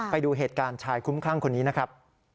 ไปดูเหตุการณ์ชายคุ้มคลั่งคนนี้นะครับ